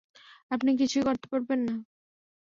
আপনি কিছুই করতে পারবেন না?